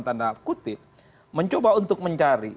tanda kutip mencoba untuk mencari